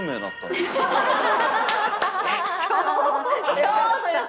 ちょうど。